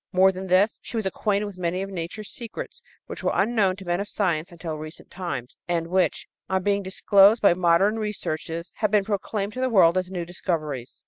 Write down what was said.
More than this. She was acquainted with many of nature's secrets which were unknown to men of science until recent times, and which, on being disclosed by modern researches, have been proclaimed to the world as new discoveries.